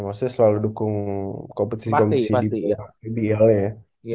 maksudnya selalu dukung kompetisi kompetisi di ibl nya ya